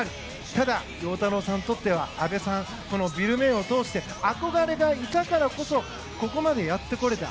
ただ、陽太郎さんにとっては安部さん、ビル・メイを通して憧れがいたからこそここまでやってこれた。